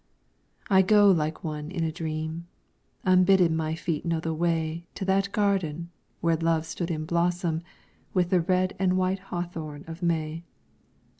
I go like one in a dream; unbidden my feet know the way To that garden where love stood in blossom with the red and white hawthorn of May.